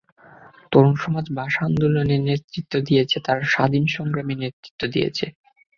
তরুণ সমাজ ভাষা আন্দোলনে নেতৃত্ব দিয়েছে, তারা স্বাধীনতা সংগ্রামে নেতৃত্ব দিয়েছে।